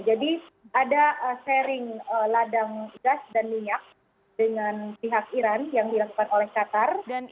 ada sharing ladang gas dan minyak dengan pihak iran yang dilakukan oleh qatar